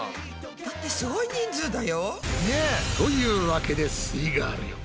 だってすごい人数だよ。というわけですイガールよ。